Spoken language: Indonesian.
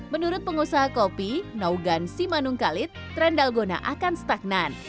menurut pengusaha kopi naugan simanungkalit tren dalgona akan stagnan